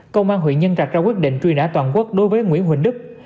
công an huyện nhân trạch ra quyết định truy nã toàn quốc đối với nguyễn huỳnh đức